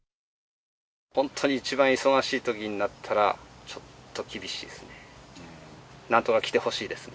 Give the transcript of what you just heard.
本当に一番忙しいときになったら、ちょっと厳しいですね。